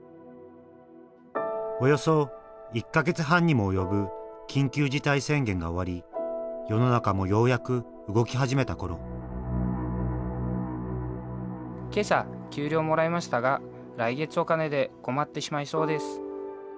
およそ１か月半にも及ぶ緊急事態宣言が終わり世の中もようやく動き始めた頃「今朝給料もらいましたが来月お金で困ってしまいそうです」。